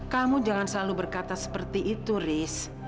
kamu jangan selalu berkata seperti itu riz